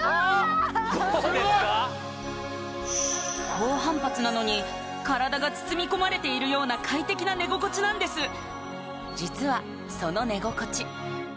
高反発なのに体が包み込まれているような快適な寝心地なんです実はその寝心地